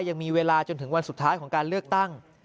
ยังมีเวลาจนถึงวันสุดท้ายของการเลือกตั้ง